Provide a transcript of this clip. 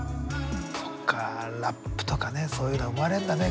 そっかラップとかそういうのが生まれるんだね